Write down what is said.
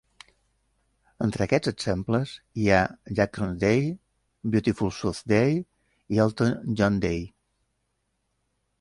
Entre aquests exemples hi ha "Jacksons Day", "Beautiful South Day" i "Elton John Day".